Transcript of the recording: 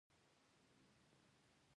آیا او خپل منزل ته ورسیږو؟